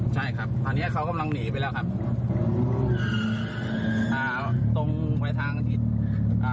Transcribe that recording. ใช่ครับตอนเนี้ยเขากำลังหนีไปแล้วครับอ่าตรงไปทางที่อ่า